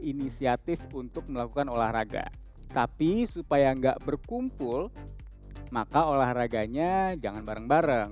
inisiatif untuk melakukan olahraga tapi supaya enggak berkumpul maka olahraganya jangan bareng bareng